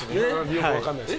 よくわかんないです。